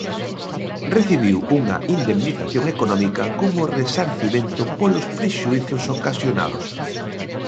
Recibiu unha indemnización económica como resarcimento polos prexuízos ocasionados.